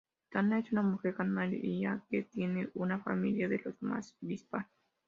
Tana es una mujer canaria que tiene una familia de los más dispar.